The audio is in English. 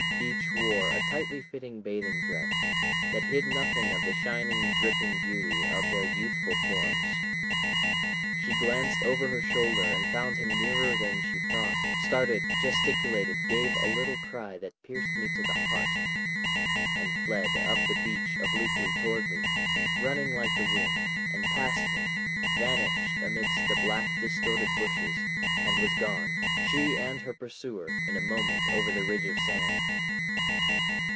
Each wore a tightly fitting bathing dress that hid nothing of the shining, dripping beauty of their youthful forms. She glanced over her shoulder and found him nearer than she thought, started, gesticulated, gave a little cry that pierced me to the heart, and fled up the beach obliquely toward me, running like the wind, and passed me, vanished amidst the black distorted bushes, and was gone—she and her pursuer, in a moment, over the ridge of sand.